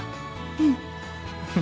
うん